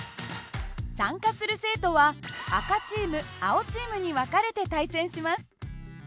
参加する生徒は赤チーム青チームに分かれて対戦します。